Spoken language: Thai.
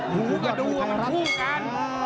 ดูก็ดูว่ามันทุ่มการ